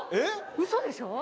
ウソでしょ？